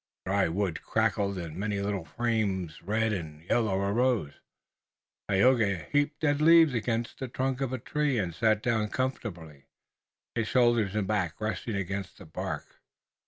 The dry wood crackled and many little flames red or yellow arose. Tayoga heaped dead leaves against the trunk of a tree and sat down comfortably, his shoulders and back resting against the bark.